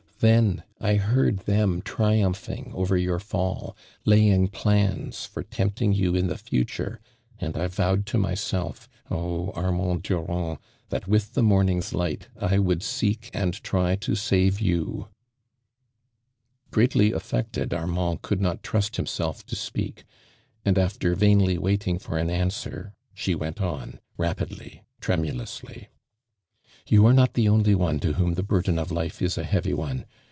Then I heard them triumphing over yoiu" fall — laying plans for tempting you in the future, and I vowed to myself, oh, Armand Durand, that with the morning's light I would seek and try to save you I" Greatly affected, Armand could not trust himself to speak, and after vainly waiting for an answer she went on, rapidly, tremulouisly ." You are not the only one to whom the burden of life is a heavy one.